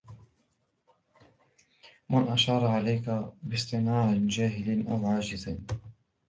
مَنْ أَشَارَ عَلَيْك بِاصْطِنَاعِ جَاهِلٍ أَوْ عَاجِزٍ